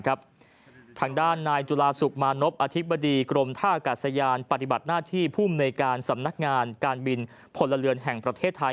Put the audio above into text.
ทางด้านนายจุฬาสุขมานพอธิบดีกรมท่าอากาศยานปฏิบัติหน้าที่ภูมิในการสำนักงานการบินพลเรือนแห่งประเทศไทย